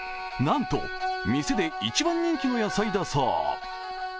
なんと店で一番人気の野菜だそう。